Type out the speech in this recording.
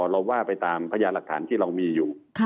เราว่าไปตามพยานหลักฐานที่เรามีอยู่